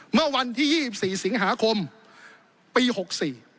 เมื่อวันที่๒๔สิงหาคมปี๖๔